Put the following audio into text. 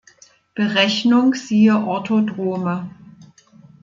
Berechnung siehe Orthodrome.